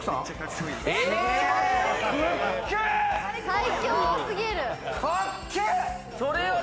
最強過ぎる！